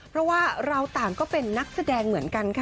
เพราะว่าเราต่างก็เป็นนักแสดงเหมือนกันค่ะ